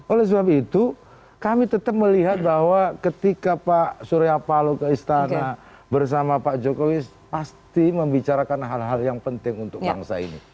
oleh sebab itu kami tetap melihat bahwa ketika pak surya palo ke istana bersama pak jokowi pasti membicarakan hal hal yang penting untuk bangsa ini